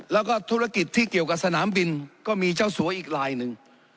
แล้วก็ธุรกิจที่เกี่ยวกับสนามบินก็มีเจ้าสัวอีกลายหนึ่ง